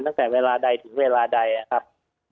ตั้งแต่เวลาใดถึงเวลาใดนะครับ